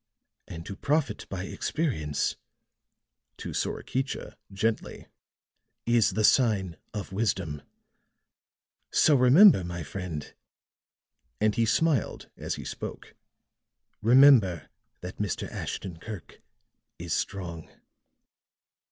And to profit by experience," to Sorakicha, gently, "is the sign of wisdom. So remember, my friend," and he smiled as he spoke, "remember that Mr. Ashton Kirk is strong."